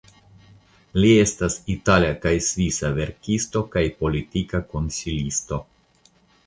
Li estas itala kaj svisa verkisto kaj politika konsilisto.